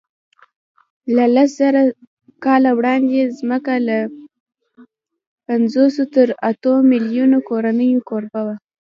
له لسزره کاله وړاندې ځمکه له پینځو تر اتو میلیونو کورونو کوربه وه.